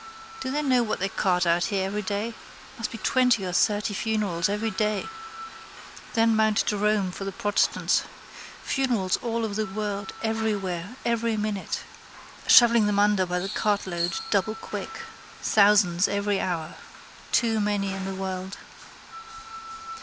Do they know what they cart out here every day? Must be twenty or thirty funerals every day. Then Mount Jerome for the protestants. Funerals all over the world everywhere every minute. Shovelling them under by the cartload doublequick. Thousands every hour. Too many in the world.